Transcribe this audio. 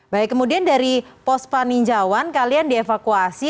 baik kemudian dari pos paninjauan kalian dievakuasi